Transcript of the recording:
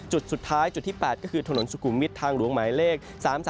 จุดสุดท้ายจุดที่๘ก็คือถนนสุขุมวิทย์ทางหลวงหมายเลข๓๓